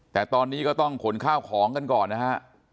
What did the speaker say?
แต่ตอนนี้ก็ต้องขนข้าวของกันก่อนนะฮะ